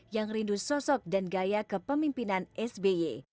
yang rindu sosok dan gaya kepemimpinan sby